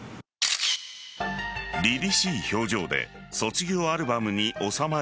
りりしい表情で卒業アルバムに収まる